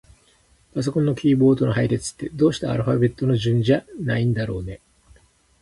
パソコンのキーボードの配列って、どうしてアルファベット順じゃないんだろうね。